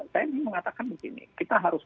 saya ingin mengatakan di sini kita harus